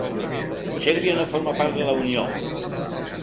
Sèrbia no forma part de la unió.